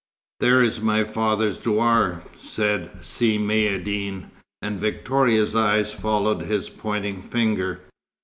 XXVII "There is my father's douar," said Si Maïeddine; and Victoria's eyes followed his pointing finger.